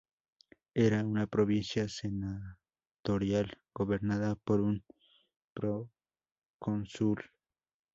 Era una provincia senatorial gobernada por un procónsul.